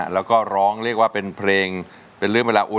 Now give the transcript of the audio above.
แล้วก็ร้องเรียกว่าเป็นเพลงเป็นเรื่องเวลา